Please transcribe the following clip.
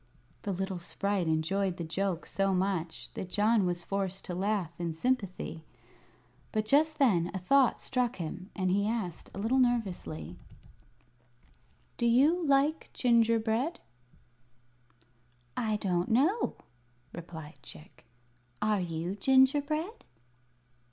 The little sprite enjoyed the joke so much that John was forced to laugh in sympathy. But just then a thought struck him, and he asked, a little nervously: "Do you like gingerbread?" "I don't know," replied Chick. "Are you gingerbread?"